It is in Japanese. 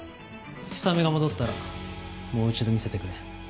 氷雨が戻ったらもう一度見せてくれ現場。